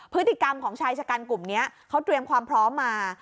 พฤติกรรมของชายชะกันกลุ่มนี้เขาเตรียมความพร้อมมา